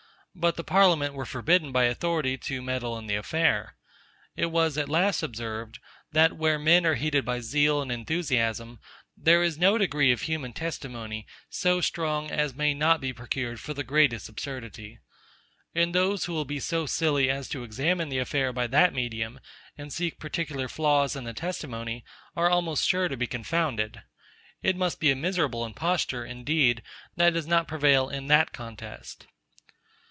But the parliament were forbidden by authority to meddle in the affair. It was at last observed, that where men are heated by zeal and enthusiasm, there is no degree of human testimony so strong as may not be procured for the greatest absurdity: And those who will be so silly as to examine the affair by that medium, and seek particular flaws in the testimony, are almost sure to be confounded. It must be a miserable imposture, indeed, that does not prevail in that contest.